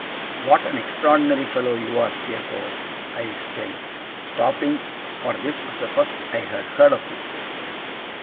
'What an extraordinary fellow you are, Steerforth!' I exclaimed, stopping for this was the first I had heard of it.